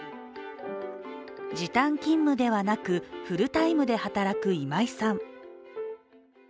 時短勤務ではなくフルタイムで働く今井さん。